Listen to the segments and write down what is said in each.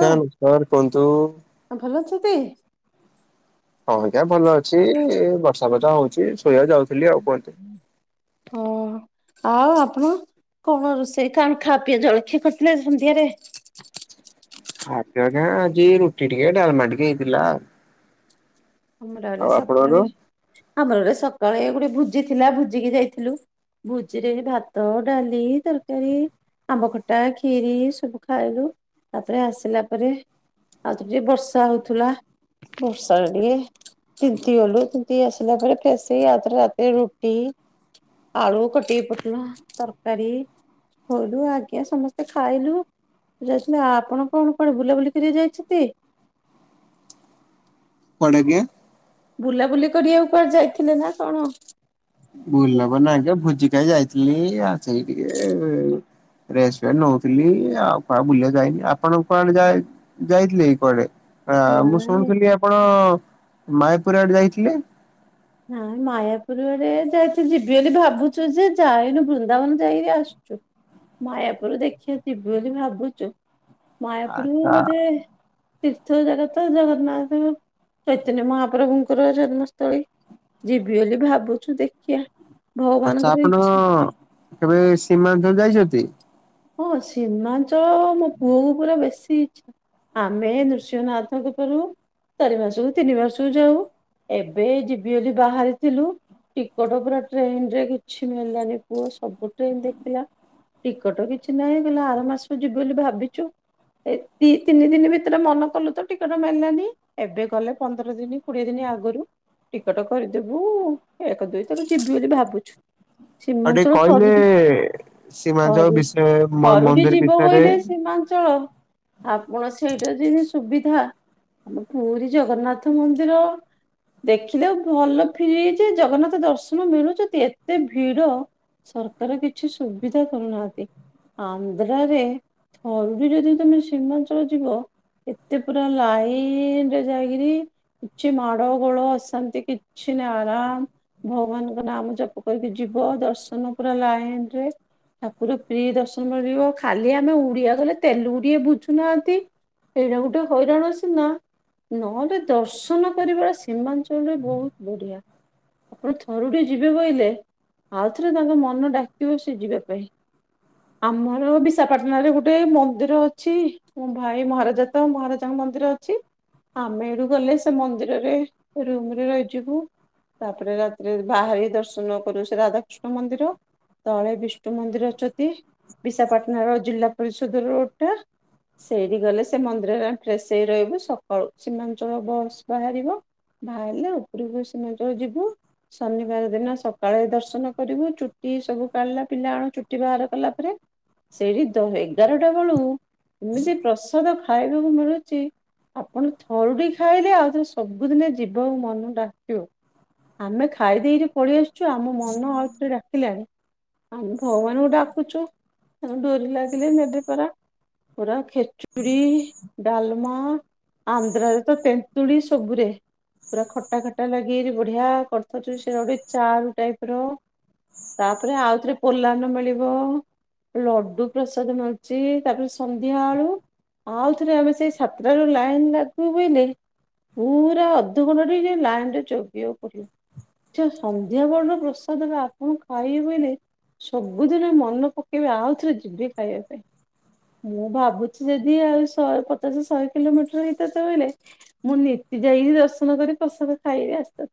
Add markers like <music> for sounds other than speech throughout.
ହଁ ତାନୁସାର କୁହନ୍ତୁ। ଭଲ ଅଛନ୍ତି? ହଁ ଆଜ୍ଞା ଭଲ ଅଛି ବର୍ଷା ବର୍ଷା ହଉଛି ଶୋଇବା ଯାଉଥିଲି ଆଉ କୁହନ୍ତୁ। ହଁ ଆଉ ଆପଣ? କଣ ରୋଷେଇ କଣ ଖା ପିଇବା ଜଳଖିଆ କରିଥିଲେ ସନ୍ଧ୍ୟାରେ? ଆ ଆଜି ରୁଟି ଟିକେ ଡାଲମା ଟିକେ ହେଇଥିଲା। ଆମରେ ଆଉ ଆପଣଙ୍କର? ସକାଳେ ଆମରେ ସକାଳେ ଗୋଟେ ଭୁଜି ଥିଲା ଭୁଜିିକି ଯାଇଥିଲୁ। ଭୁଜିରେ ଭାତ ଡାଲି ତରକାରୀ ଆମ୍ବ ଖଟା ଖିରି ସବୁ ଖାଇଲୁ ତାପରେ ଆସିଲା ପରେ ଆଉଥର ଟିକେ ବର୍ଷା ହଉଥିଲା ବର୍ଷା ଟିକେ ଚିନ୍ତିଗଲୁ ଚିନ୍ତି ଆସିଲା ପରେ ଫେଶ ଆଉତରେ ରାତିରେ ରୁଟି ଆଳୁ କଟି ପୋଟଳ ତରକାରୀ <unintelligible> ଲୁ ଆଜ୍ଞା ସମସ୍ତେ ଖାଇଲୁ। ଯାଇ ଆପଣ କଣ କଣ ବୁଲାବୁଲି କରିବା ଯାଇଛନ୍ତି? କୁଆଡେ କି? ବୁଲାବୁଲି କରିବାକୁ କୁଆଡେ ଯାଇଥିଲେ ନା କଣ? ବୁଲବ ନା ଆଜ୍ଞା ଭୋଜିିକା ଯାଇଥିଲି ଆଉ ସେଇ ଟିକେ ରେସୱ ନଉଥିଲି ଆଉ କାହା ବୁଲିବା ଯାଇନି। ଆପଣ କଣ ଯାଏ ଯାଇଥିଲେ ଏଇ କୁଆଡେ ମୁଁ ନାଇଁ। ଶୁଣୁଥିଲି ଆପଣ ମାୟାପୁରା ଆଡେ ଯାଇଥିଲେ। ନାଇ ମାୟାପୁର ଆଡେ ଯାଇଥିଲି ଯିବି ବୋଲି ଭାବୁଛୁ ଯେ, ଯାଇନୁ ବୃନ୍ଦାବନ ଯାଇକି ଆସୁ ମାୟାପରୁ ଦେଖିବା ଯିବି ବୋଲି ଭାବୁଛୁ। ମୟାପୁର ଆଚ୍ଛା ମଧେ ତୀର୍ଥ ଜାଗତ ଜଗନ୍ନାଥ ଚୈତନ୍ୟ ମହାପ୍ରଭୁଙ୍କର ଜନ୍ମସ୍ଥଳୀ। ଯିବି ବୋଲି ଭାବୁଛୁ ଦେଖିିବା। ଆଚ୍ଛା ଆପଣ କେବେ ସୀମାଞ୍ଚଳ ଯାଇଛନ୍ତି? ହଁ ସୀମାଞ୍ଚଳ ମୋ ପୁଅକୁ ପୁରା ବେଶୀ। ଆମେ ନୃସିଂହନାଥଙ୍କପୁ ଚାରି ମାସକୁ ତିନି ମାସକୁ ଯାଉ ଏବେ ଯିବି ବୋଲି ବାହାରିଥିଲୁ। ଟିକଟ ପୁର ଟ୍ରେନରେ କିଛି ମିଳିଲାନି ପୁଅ ସବୁ ଟ୍ରେନ ଦେଖିଲା। ଟିକଟ କିଛି ନାହିଁ କହିଲେ ଆର ମାସ ଯିବି ବୋଲି ଭାବିଛୁ। ଏ ଦ ତିନି ଦିନ ଭିତରେ ମନ କଲୁ ତ ଟିକେଟ ମାରିଲାନି। ଏବେ ଗଲେ ପନ୍ଦର ଦିନ କୋଡିଏ ଦିନ ଆଗରୁ। ଟିକଟ କରିଦେବୁ ଏକ ଦୁଇ ତାକୁ ଯିବି ବୋଲି ଭାବୁଛୁ। ଆଉ ସିମା ଟିକେ ଚଲ କହିଲେ ସୀମାଞ୍ଚଳ ଥର। ବିଷୟ ମ ହରୁଟିି ମନ୍ଦିର ଯିବ ବିଷୟରେ। କହିଲେ ସୀମାଞ୍ଚଳ ଆପଣ ସେଇଟା ଯି ସୁବିଧା ଆମ ପୁରୀ ଜଗନ୍ନାଥ ମନ୍ଦିର ଦେଖିଲେ ଭଲ ଫ ଯେ ଜଗନ୍ନାଥ ଦର୍ଶନ ମିଳୁଛନ୍ତି, ଏତେ ଭିଡ! ସରକାର କିଛି ସୁବିଧା କରୁନାହାନ୍ତି। ଆନ୍ଧ୍ରରେ ଥରୁଡି ଯଦି ତମେ ସୀମାଞ୍ଚଳ ଯିବ ଏତେ ପୁରା ଲାଇନରେ ଯାଇକିରି କିଛି ମା ଗଳ ଅସନ୍ତି କିଛିିନ ଆରାମ। ଭଗବାନଙ୍କ ନାମ ଜପ କରିକି ଯିବ ଦର୍ଶନ ପୁର ଲାଇନ ରେ ଠାକୁର ପ୍ରି ଦର୍ଶନ କରିବ ଖାଲି ଆମେ ଓଡିଆ ଗଲେ ତେଲୁଗୁଡିଏ ବୁଝୁନାହାନ୍ତି। ଏଇଟା ଗୋଟେ ହଇରାଣ ଅଛି ନା। ନହେଲେ ଦର୍ଶନ କରିବା ସୀମାଞ୍ଚଳରେ ବହୁତ ବଢ଼ିଆ। ଆପଣ ଥରୁଟିଏ ଯିବେ ବହିଲେ ଆଉଥରେ ତାଙ୍କ ମନ ଡାକିବ ସେ ଯିବା ପାଇଁ। ଆମର ବିଶାଖପାଟଣାରେ ଗୋଟେ ମନ୍ଦିର ଅଛି। ମଁ ଭାଇ ମହାରାଜା ତ ମହାରାଜାଙ୍କ ମନ୍ଦିର ଅଛି। ଆମେ ଏଠୁ ଗଲେ ସେ ମନ୍ଦିରରେ ରୁମରେ ରହିଯିବୁ। ତାପରେ ରାତିରେ ବାହାରି ଦର୍ଶନ କରୁ ସେ ରାଧାକୃଷ୍ଣ ମନ୍ଦିର। ତଳେ ବିଷ୍ଣୁ ମନ୍ଦିର ଅଛନ୍ତି ବିଶାଖପାଟଣା ର ଜିଲ୍ଲା ପରିଷଦ ରୋଡଟା। ସେଇଠି ଗଲେ ସେ ମନ୍ଦିରରେ ଫ୍ରେସ ହେଇ ରହିବୁ ସକାଳୁ ସୀମାଞ୍ଚଳ ବସ୍ ବାହାରିବ। ବାହାରିଲା ଉପରକୁ ସ ନଜର ଯିବୁ। ଶନିବାର ଦିନ ସକାଳେ ଦର୍ଶନ କରିବୁ ଚୁଟି ସବୁ କାଢିଲା ପିଲା କଣ ଚୁଟି ବାହାର କଲା। ସେଠି ଏଗାରଟା ବେଳୁ ଏମିତି ପ୍ରସାଦ ଖ ଖାଇବାକୁ ମିଳୁଛି। ଆପଣ ଥରୁଡ଼ି ଖାଇଲେ, ଆଉଥରେ ସବୁଦିନେ ଯିବ ଆଉ ମନ ଡାକିବ। ଆମେ ଖାଇ ଦେଇକ ପଳେଇଆସୁ। ଆମ ମନ ଆଉଥରେ ଡାକିଲାଣି ଆମେ ଭଗବାନଙ୍କୁ ଡାକୁଚୁ। ତାଙ୍କ ଡୋରି ଲାଗିଲେ ନେବେ ପରା ପୁରା ଖେଚୁଡି ଡାଲମା ଆନ୍ଧ୍ରରେ ତ ତେନ୍ତୁଳି ସବୁରେ ପୁରା ଖଟା ଖଟା ଲାଗେ ବଢିଆ କରିଥାଉଚ ସେଟା ଗୋଟେ ଚାରୁ ଟାଇପ ର ତାପରେ ଆଉଥରେ ପୋଲାନ ମିଳିବ। ଲଡୁ ପ୍ରସାଦ ମିଳୁଚ ତାପରେ ସନ୍ଧ୍ୟା ଆଳୁ ଆଉଥରେ ଆମେ ସେଇ ସାତଟାରୁ ଲାଇନ୍ ଲାଗୁ ବେଲି। ପୁରା ଅଧଘଣ୍ଟା ଠି ଲାଇନ୍ ରେ ଜଗିଆକୁ ପଡ଼ିବ। ଆଚ୍ଛା ସନ୍ଧ୍ୟା ବଳର ପ୍ରସାଦଟା ଆପଣ ଖାଇବେ ବେଲେ ସବୁଦିନେ ମନ ପ କେବେ ଆଉଥରେ ଯିିବି ଖାଇବା ପାଇଁ। ମୁଁ ଭାବୁଚି ଯଦି ଆଉ ଶହେ ପଚାଶ ଶହେ କିଲୋମିଟର ହେଇଥାନ୍ତା ବେଲେ ମୁଁ ନିତି ଯାଇକି ଦର୍ଶନ କରି ପ୍ରସାକ ଖାଇବି ଆସିି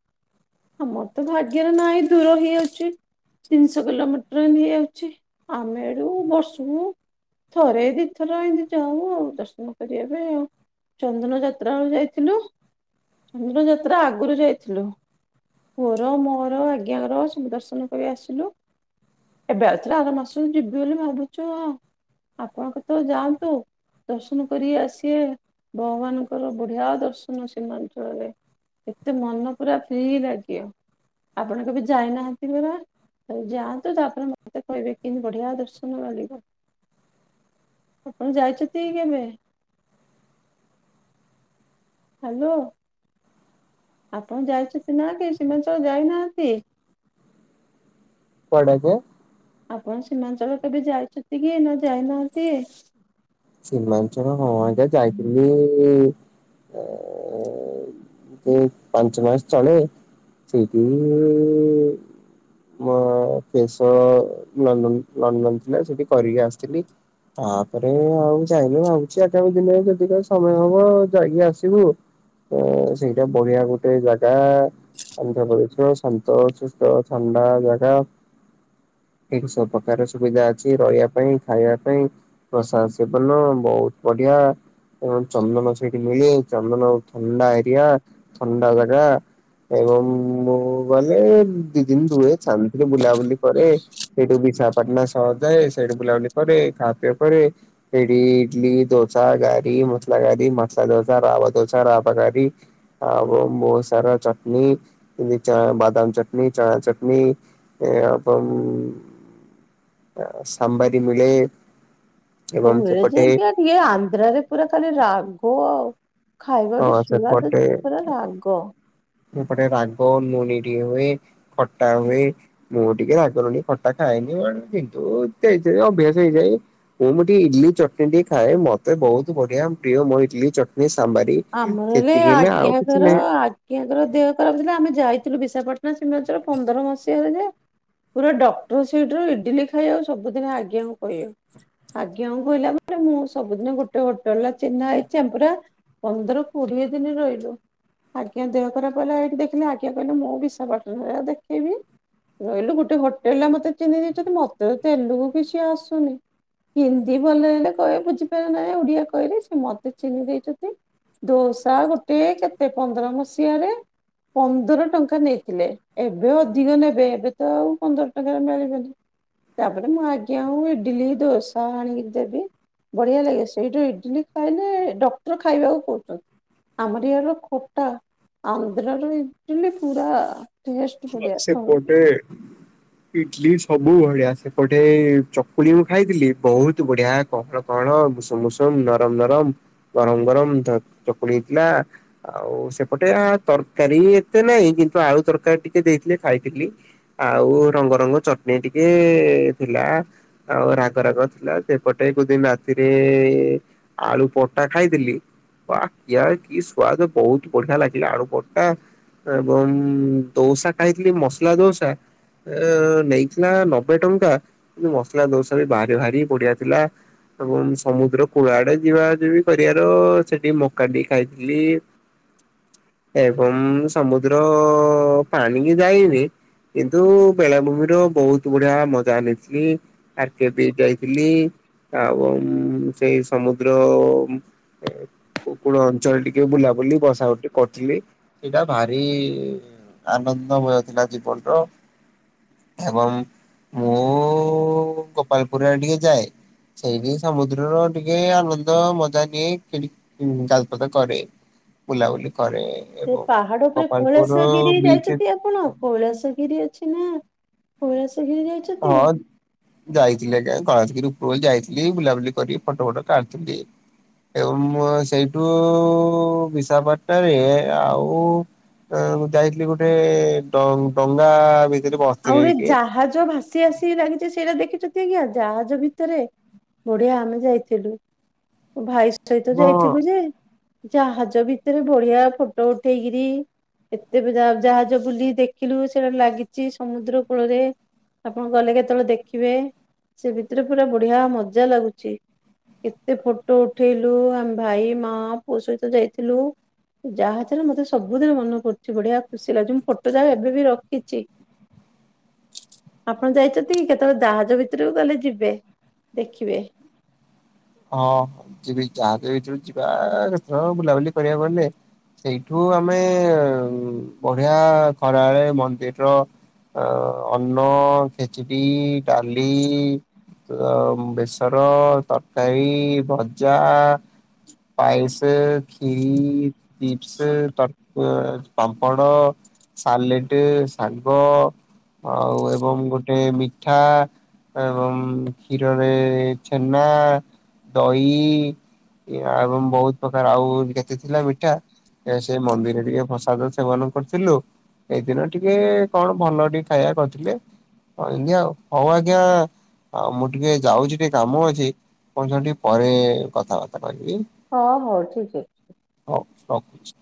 ଆମର ତ ଭାଗ୍ୟରେ ନାହିଁ ଦୂର ହେଇଯାଉଚି ତିନିଶହ କିଲୋମିଟର ଏମିତି ହେଇଯାଉଚି। ଆମେ ଏଡୁ ବର୍ଷୁବୁ ଥରେ ଦିଥର ଏମିତି ଯାଉ ଆଉ ଦର୍ଶନ କରିବା ପାଇଁ ଆଉ। ଚନ୍ଦନ ଯାତ୍ରା ଯାଇଥିଲୁ ଚନ୍ଦନ ଯାତ୍ରା ଆଗରୁ ଯାଇଥିଲୁ। ପୁଅର ମୋର ଆଜ୍ଞାଙ୍କର ସୁବ ଦର୍ଶନ କରି ଆସିଲୁ। ଏବେ ଆଉଥରେ ଆର ମାସରେ ଯିବି ବୋଲି ଭାବୁଚୁ ଆ ଆପଣ କେତେବେଳେ ଯାଆନ୍ତୁ। ଦର୍ଶନ କରିକି ଆସିବେ ଭଗବାନଙ୍କର ବଢ଼ିଆ ଦର୍ଶନ ସୀମାଞ୍ଚଳରେ। ଏତେ ମନ ପୁରା ଫ୍ରି ଲାଗିବ। ଆପଣ କେବେ ଯାଇନାହାନ୍ତି ପରା ଥରେ ଯାଆନ୍ତୁ ତାପରେ ମତେ କହିବେ। ଏମତି ବଢିଆ ଦର୍ଶନ ମିଳିବ ଆପଣ ଯାଇଚନ୍ତି କି କେବେ? ହାଲୋ। ଆପଣ ଯାଇଚନ୍ତି ନା କେ ସୀମାଞ୍ଚଳ ଯାଇନାହାନ୍ତି? ପଡ଼ଗ। ଆପଣ ସୀମାଞ୍ଚଳ କେବେ ଯାଇଛନ୍ତି କି ନା ଯାଇନାହାନ୍ତି? ସୀମାଞ୍ଚଳ ହଁ ଆଜ୍ଞା ଯାଇଥିଲି <unintelligible> ଯୋଉ ପାଞ୍ଚ ମାସ ତଳେ ସେଇଠି ମୋ ଫେସ ଲଣ୍ଡନ ଲଣ୍ଡନ ଥିଲା ସେଠି କରିକି ଆସିଥିଲି। ତାପରେ ଆଉ ମୁଁ ଚାହିଁଲେ ଭାବୁଛି ଆଗାମୀ ଦିନରେ ଯଦି କେବେ ସମୟ ହବ ଯାଇକି ଆସିବୁ। ତ ସେଇଟା ବଢ଼ିଆ ଗୋଟେ ଜାଗା। ଆନ୍ଧ୍ରପ୍ରଦେଶର ଶାନ୍ତ ସୁସ୍ଥ ଥଣ୍ଡା ଜାଗା। ଏଠି ସବୁ ପ୍ରକାର ସୁବିଧା ଅଛି ରହିବା ପାଇଁ ଖାଇବା ପାଇଁ ପ୍ରସାସ୍ ସେବନ ବହୁତ ବଢିଆ। ଏବଂ ଚନ୍ଦନ ସେଇଠି ମିଳେ ଚନ୍ଦନ ଥଣ୍ଡା ଏରିଆ ଥଣ୍ଡା ଜାଗା। ଏବଂ ମୁଁ ଗଲେ ଦି ଦିନ ରୁହେ ଛାନ୍ତିରେ ବୁଲାବୁଲି କରେ। ସେଇଠୁ ବିଶାଖାପାଟଣା ସହଯାଏ ସେଇଠୁ ବୁଲାବୁଲି କରେ ଖା ପିଅ କରେ। ସେଇଟି ଇଡଲି, ଦୋସା, ଗାରି, ମସଲା ଗାରି, ମସଲା ଦୋସା, ରାବା ଦୋସା, ରାବା ଗାରି ଆଉ ବହୁତ ସାରା ଚଟଣି ଯେମିତି ବାଦାମ ଚଟଣି ଚଣା ଚଟଣି। ଏ ଅବମ୍ମ ଆ ସାମ୍ବର ବି ମିଳେ। ହଉ ଏବଂ ମିଳେ ସେପଟେ ଯେ <inaudible> ଟିକେ ଆନ୍ଧ୍ରାରେ ପୁରା ଖାଲି ରାଗ ଆଉ। ଖାଇବା ହଁ ବି ସୁଆଦ ତା ପରେ ରାଗ। କୋଉପଟେ ରାଗ ଲୁଣି ଟିକେ ହୁଏ, ଖଟା ହୁଏ। ମୁଁ ଟିକେ ରାଗ ଲୁଣି ଖଟା ଖାଏନି ୱନ୍ କିନ୍ତୁ ତେଇଥିରେ ଅଭ୍ୟାସ ହେଇଯାଏ। ଓମଟି ଇଜ୍ଲି ଚଟଣୀ ଟିକେ ଖାଏ ମତେ ବହୁତୁ ବଢ଼ିଆ ପ୍ରିୟ ମୋ ଇଟ୍ଲି ଚଟ୍ଣୀ ସାମ୍ବାରି। ଆମର ହେଲେ ସେତିକି ଆଉ ଆଜ୍ଞା କିଛି କର ନାହିଁ। ଆଗ୍ କି ୟାଙ୍କର ଦେହ ଖରାପ ଥିଲା ଆମେ ଯାଇଥିଲୁ ବିଶାଖାପାଟ୍ଣା ଶିମ୍ଚାଳ ପନ୍ଦର ମସିହାରେ ଯେ। ପୁରା ଡ଼କ୍ଟର ସେଇଟିର ଇଡ଼ିଲି ଖାଇବାକୁ ସବୁଦିନ ଆଜ୍ଞାକୁ ପହିବେ। ଆଜ୍ଞା ଉଁ କହିଲା ମାନେ ମୁଁ ସବୁଦିନେ ଗୋଟେ ହୋଟେଲରେ ଚିହ୍ନା ହେଇଚେ ଆମେ ପରା। ପନ୍ଦର କଡ଼ିଏ ଦିନି ରହିଲୁ। ଆଜ୍ଞା ଦେହ ଖରାପ ହେଲା ଏଇଠି ଦେଖିଲେ ଆଜ୍ଞା କହିଲେ ମୁଁ ବିଶାପାଟନାରେ ଦେଖେଇବି। ରହିଲୁ ଗୋଟେ ହୋଟେଲେରେ ଆ ମତେ ଚିହ୍ନେଇ ଦେଇଛନ୍ତି ମତେ ତେଲୁଗୁ କିଛି ଆସୁନି। ହିନ୍ଦୀ ଭଲ ହେଲେ କଏ ବୁଝିପାରେ ନାହିଁ ଆଉ ଓଡ଼ିଆ କହିଲେ ସେ ମତେ ଚିହ୍ନି ଦେଇଚତି। ଦୋସା ଗୋଟିଏ କେତେ ପନ୍ଦର ମସିହାରେ ପନ୍ଦର ଟଙ୍କା ନେଇଥିଲେ। ଏବେ ଅଧିକ ନେବେ ଏବେ ତ ଆଉ ପନ୍ଦର ଟଙ୍କାରେ ମେଳିବନି। ତାପରେ ମୁଁ ଆଜ୍ଞା ଉଁ ଇଡ଼ିଲି ଦୋସା ଆଣିକି ଦେବି। ବଢ଼ିଆ ଲାଗେ ସେଇଠୁ ଇଡିଲି ଖାଇଲେ ଡକ୍ଟର ଖାଇବାକୁ କୋହୁଚନ୍ତି। ଆମର ଇୟାଡର ଖୋଟା ଆନ୍ଧ୍ରାର ଇଟିଲି ପୁରା ଟେଷ୍ଟ ଛୁଆ ବଢିଆ। ସେ ପଡ଼େ। ଇଟ୍ଲିଯ୍ ସବୁ ବଢ଼ିଆ ସେପଟେ ଚକୁଳି ମୁଁ ଖାଇଥିଲି ବହୁତ୍ ବଢ଼ିଆ। ପକ୍ର କଣ ବୁଷୁମ ମୁଷୁମ ନରମ ନରମ ଗରମ ଗରମ ଧ ଚକୁଳି ହେଇଥିଲା। ଆଉ ସେପଟେ ଆ ତରକାରୀ ଏତେ ନହିଁ କିନ୍ତୁ ଆଳୁ ତରକାରୀ ଟିକେ ଦେଇଥିଲେ ଖାଇଥିଲି। ଆଉ ରଙ୍ଗ ରଙ୍ଗ ଚଟ୍ଣି ଟିକେ ଥିଲା। ଆଉ ରାଗ ରାଗ ଥିଲା ସେପଟେ କୋଉଦିନି ରାତିରେ। ଆଳୁ ପରଟା ଖାଇଥିଲି। ବା କିଆ କି ସୁଆଦ ବହୁତ୍ ବଢ଼ିଆ ଲାଗିଲା ଆଳୁ ପରଟା ଏବଂ। ତୋଉସା ଖାଇଥିଲି ମସଲା ଦୋସା। ଏ ନେଇଥିଲା ନବେ ଟଙ୍କା କିନ୍ତ ମସଲା ଦୋସା ବି ବାହାରେ ଭାରି ବଡିଆ ଥିଲା। ଏବଂ ସମୁଦ୍ର କୂଳ ଆଡ଼େ ଯିବା ଯିବି କରିବାର ସେଠି ମକା ଟିକେ ଖାଇଥିଲି। <inaudible> ଚୁକ୍। ଏବଂ ସମୁଦ୍ର ପାଣିିକି ଯାଇନି। କିନ୍ତୁ ବେଳାଭୂମି ର ବହୁତ୍ ବୂଢା ମଜା ନେଇଥିଲି। ଆର୍ କେ ବି ଯାଇଥିଲି। ଆଉ ଓମ୍ ସେଇ ସମୁଦ୍ରମ୍ ପେକ୍। କୋଉକୂଳ ଅଞ୍ଚଳ ଟିକେ ବୁଲାବୁଲି ବସା ବଟି କରୁଥିଲି, ସେଇଟା ଭାରି। ଆନନ୍ଦ ମୟ ଥିଲା ଜୀବନ୍ଟ। ଏବଂ ମୁଁ ଗୋପାଳପୁରୁ ଆଡ଼େ ଟିକେ ଯାଏ। ଛେଇବି ସମୁଦ୍ରର ଟିକେ ଆନନ୍ଦ ମଜାନିଏ ଖେଳି। ହୁଁ ଜାଲ୍ପଦ କରେ ବୁଲାବୁଲି କରେ। ସେ ଏବଂ ପାହାଡ଼ ଉପରେ ଗୋପାଳପୁର କୈଳାଶ ଗିରି। କି ବିଚ୍ ଯାଇଛନ୍ତି ଆପଣ କୈଳାସଗିରି ଅଛି ନାଁ କୈଳାସଗିରି ଯାଇଛନ୍ତି। ହଁ ଯାଇଥିଲି ଆଜ୍ଞା କୈଳାସଗିରି ଉପରବୋଳି ଯାଇଥିଲି। ବୁଲାବୁଲି କରି ଫଟୋ ଫଟ କାଢ଼ିଥିଲି। ଏବଂ ମୁଁ ଆଁ ସେଇଟୁ ବିଶାପାଟାରେ ଆଉ। ଆଁ ମୁଁ ଯାଇଥିଲି ଗୋଟେ ଡ଼ଙ୍ଗ୍ ଡ଼ଙ୍ଗା ଭିତ୍। ଆଉ ଗୋଟିଏ ଜାହାଜ ଭାସ୍ ଚି ଏସି ରାଗିଚି ସେଇଟା ଦେଖିଚ କି ଆଜ୍ଞା ଜାହାଜ ଭିତରେ ବଢ଼ିଆ ଆମେ ଯାଇଥିଲୁ। ଓ ଭାଇଷ୍ଟ୍ ସହିତ ହଁ ଯାଇଥିଲୁ ଯେ। ଜାହାଜ ଭିତରେ ବଢ଼ିଆ ଫୋଟୋ ଉଠେଇକିରି। ଏତେ ବି ଜା-ଜାହାଜ ବୁଲି ଦେଖିଲୁ ସେ ଲାଗିଚି ସମୁଦ୍ର କୂଳରେ ଆପଣ ଗଲେ କେତେବେଳେ ଦେଖିବେ। ସେ ଭିତରେ ପୁରା ବଢିଆ ମଜା ଲାଗୁଛି। ଏତେ ଫଟୋ ଉଠେଇଲୁ ଆମେ ଭାଇ, ମା, ପୁଅ ସହିତ ଯାଇଥିଲୁ। ଯାହା ଥିଲା ମତେ ସବୁଦିନ ମନ ପଡୁଛି ବଢିଆ ଖୁସି ଲାଗୁଛି ମୁଁ ଫୋଟୋ ଯାକ ଏବେ ବି ରଖିଛି। ଆପଣ ଯାଇଛନ୍ତି କି କେତେବେଳେ ଜାହାଜ ଭିତରକୁ ଗଲେ ଯିବେ ଦେଖିବେ। ହଁ ଯିବି ଜାହାଜ ଭିତରକୁ ଯିବା ହଁ ବୁଲାବୁଲି କରିବାକୁ ଗଲେ। ସେଇଠୁ ଆମେ ବଢିଆ ଖରାରେ ମନ୍ଦିର। ଅ ଅନ୍ନ, ଖେଚଡି, ଡାଲି। ତ ବେସର, ତରକାରୀ, ଭଜା। ପାଏସେ, କ୍ଷୀରି। ଚିପସ ତ ଅ ପାମ୍ପଡ। ସାଲେଟ, ଶାଗ ଆଉ ଏବଂ ଗୋଟେ ମିଠା। ଏବଂ କ୍ଷୀରରେ ଛେନା। ଦହି ଏ ଆଉ ବହୁତ ପ୍ରକାର ଆଉ କେତେ ଥିଲା ମିଠା। ଏ ସେ ମନ୍ଦିରେ ଟିକେ ପ୍ରସାଦ ସେବନ କରିଥିଲୁ। ଏଇଦିନ ଟିକେ କଣ ଭଲ ଟିକେ ଖାଇବା କରିଥିଲେ। ଆଜ୍ଞା ହଉ ଆଜ୍ଞା ଆଉ ମୁଁ ଟିକେ ଯାଉଛି ଟିକେ କାମ ଅଛି। ତମ ସାଙ୍ଗେ ଟିକେ ପରେ କଥାବାର୍ତ୍ତା କରିବି। ହଁ ହଉ ଠିକ୍ ହଉ ରଖୁଛି।